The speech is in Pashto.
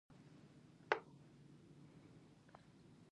ځینې افراد په ټولنه کې ګډوډي خپروي ترڅو خپلې موخې ترلاسه کړي.